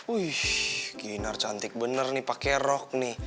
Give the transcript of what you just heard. wih ginar cantik bener nih pakai rok nih